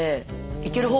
いける方？